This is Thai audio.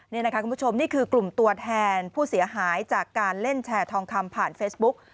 นี่คือกลุ่มตัวแทนผู้เสียหายจากการเล่นแชร์ทองคำผ่านเฟซบุ๊ก